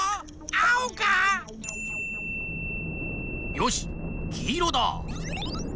よしきいろだ！